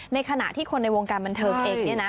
ในขณะที่คนในวงการบันเทิงเองเนี่ยนะ